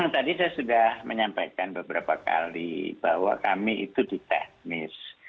tadi saya sudah menyampaikan beberapa kali bahwa kami itu di teknis